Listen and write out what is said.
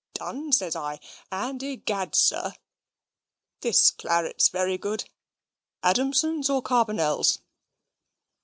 'Done,' says I; and egad, sir this claret's very good. Adamson's or Carbonell's?"